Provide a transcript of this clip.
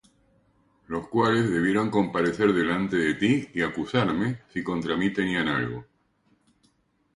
Los cuales debieron comparecer delante de ti, y acusarme, si contra mí tenían algo.